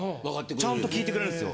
ちゃんと聞いてくれるんすよ。